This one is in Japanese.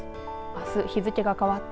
あす日付が変わった